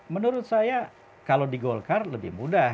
menurut saya kalau di golkar lebih mudah